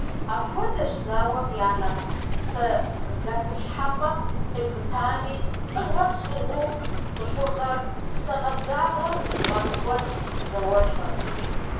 Апхуэдэщ зауэм я нэхъ псэзэпылъхьэпӏэм къихутами, лӏыгъэм щӏыгъуу цӏыхугъэр, псэ къабзагъэр зыфӏэмыкӏуэд ди зауэлӏыр.